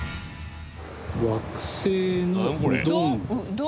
「惑星のウドンド」？